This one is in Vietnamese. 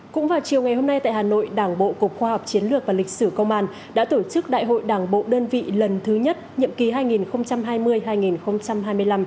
cũng vào chiều ngày hôm nay tại hà nội đảng bộ cục khoa học chiến lược và lịch sử công an đã tổ chức đại hội đảng bộ đơn vị lần thứ nhất nhiệm kỳ hai nghìn hai mươi hai nghìn hai mươi năm